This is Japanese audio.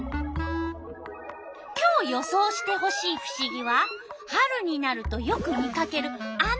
今日予想してほしいふしぎは春になるとよく見かけるあの鳥のこと。